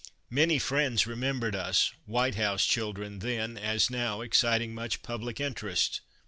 Many friends remem bered us, White House children then, as now, excit ing much public interest.